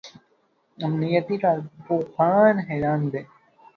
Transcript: امنیتي کارپوهان حیران دي.